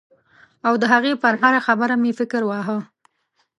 او د هغې پر هره خبره مې فکر واهه.